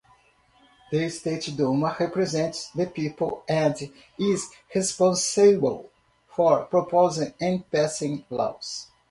The State Duma represents the people and is responsible for proposing and passing laws.